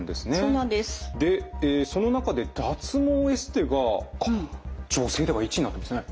でその中で脱毛エステが女性では１位になってますね。